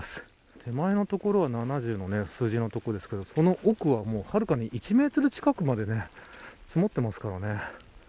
手前の所は７０の数字の所ですがその奥は、はるかに１メートル近くまで積もってますからね。